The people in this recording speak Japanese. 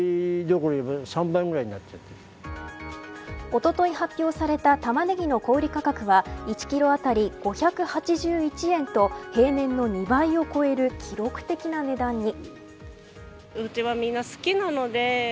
おととい発表されたタマネギの小売り価格は１キロ当たり５８１円と平年の２倍を超える記録的な値段に。